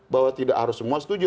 bahwa tidak harus semua setuju